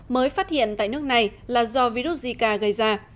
mới phát hiện tại nước này là do virus zika gây ra